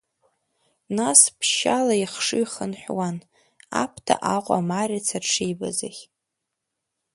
Нас ԥшьшьала ихшыҩ хынҳәуан Аԥҭа Аҟәа Марица дшибаз ахь.